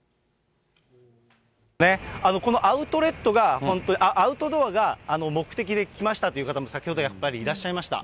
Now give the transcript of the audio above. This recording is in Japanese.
このアウトレットが、本当に、アウトドアが目的で来ましたという方も、先ほどやっぱりいらっしゃいました。